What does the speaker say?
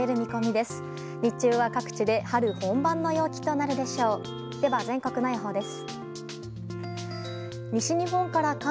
では全国の予報です。